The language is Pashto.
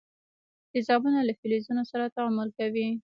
تیزابونه له فلزونو سره تعامل کوي.